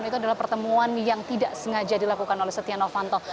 itu adalah pertemuan yang tidak sengaja dilakukan oleh setia novanto